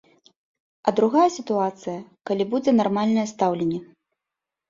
А другая сітуацыя, калі будзе нармальнае стаўленне.